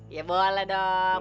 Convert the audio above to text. ya boleh dong